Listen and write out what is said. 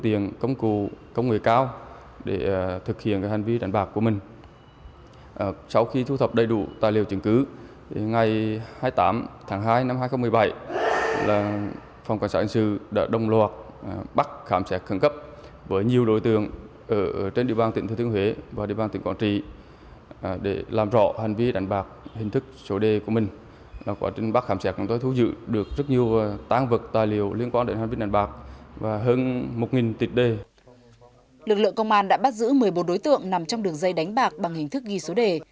tiến hành kiểm tra lực lượng công an đã bắt giữ một mươi bốn đối tượng nằm trong đường dây đánh bạc bằng hình thức ghi số đề